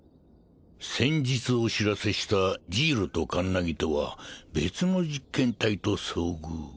「先日お知らせしたジイロとカンナギとは別の実験体と遭遇」。